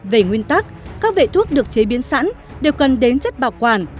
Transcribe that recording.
về nguyên tắc các vệ thuốc được chế biến sẵn đều cần đến chất bảo quản